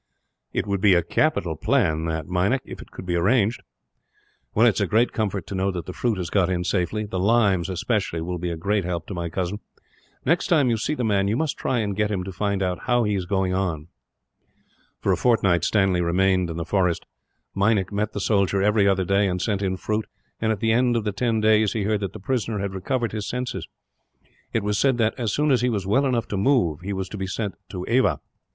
"It would be a capital plan that, Meinik, if it could be arranged. "Well, it is a great comfort to know that the fruit has got in safely. The limes, especially, will be a great help to my cousin. Next time you see the man, you must try and get him to find out how he is going on." For a fortnight, Stanley remained in the forest. Meinik met the soldier every other day, and sent in fruit and, at the end of the ten days, he heard that the prisoner had recovered his senses. It was said that, as soon as he was well enough to move, he was to be sent to Ava.